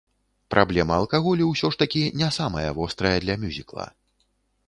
Праблема алкаголю ўсё ж такі не самая вострая для мюзікла.